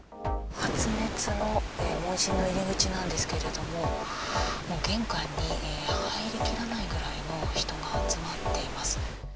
発熱の問診の入り口なんですけれども、玄関に入りきらないぐらいの人が集まっています。